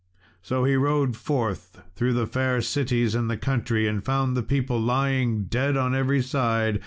So he rode forth through the fair cities and the country, and found the people lying dead on every side.